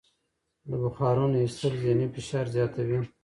د بخارونو ایستل ذهني فشار زیاتوي.